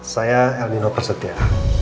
saya elmina persetia